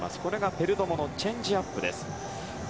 ペルドモのチェンジアップです。